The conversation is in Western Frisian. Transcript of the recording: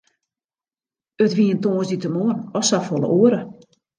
It wie in tongersdeitemoarn as safolle oare.